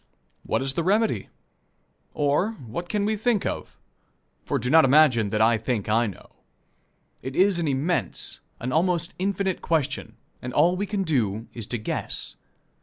What is the remedy? Or, what can we think of for do not imagine that I think I know. It is an immense, an almost infinite, question, and all we can do is to guess.